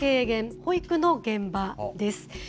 保育の現場です。